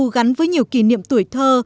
gắn với nhiều kỷ niệm tuổi thơ